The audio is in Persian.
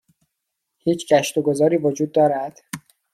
هیچ گشت و گذاری وجود دارد؟